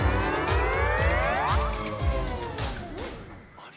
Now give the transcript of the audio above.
あれ？